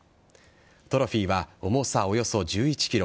トロフィーは重さおよそ１１ｋｇ